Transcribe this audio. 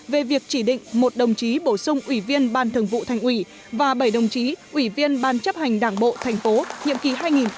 về việc chỉ định một đồng chí bổ sung ủy viên ban thường vụ thành ủy và bảy đồng chí ủy viên ban chấp hành đảng bộ thành phố nhiệm kỳ hai nghìn một mươi năm hai nghìn hai mươi